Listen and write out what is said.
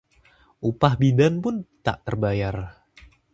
Upah bidan pun tak terbayar